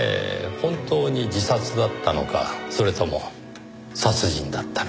本当に自殺だったのかそれとも殺人だったのか。